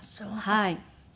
はい。